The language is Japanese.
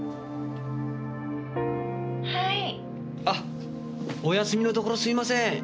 あお休みのところすいません。